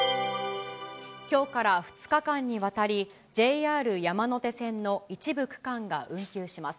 きょうから２日間にわたり、ＪＲ山手線の一部区間が運休します。